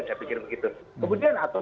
saya pikir begitu kemudian atau